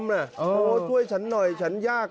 โอ้โหช่วยฉันหน่อยฉันยาก